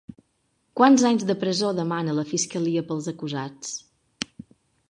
Quants anys de presó demana la fiscalia pels acusats?